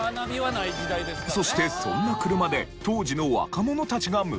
そしてそんな車で当時の若者たちが向かっていたのが。